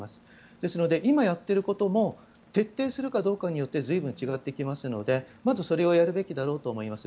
ですので今やっていることも徹底するかどうかによって随分違ってきますのでまずそれをやるべきだろうと思います。